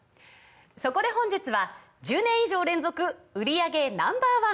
そこで本日は１０年以上連続売り上げＮｏ．１